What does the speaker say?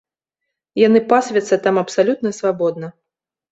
Яны пасвяцца там абсалютна свабодна.